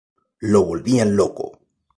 Lo volvían loco.